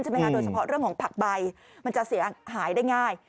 โดยเฉพาะเรื่องของผักใบมันจะเสียหายได้ง่าย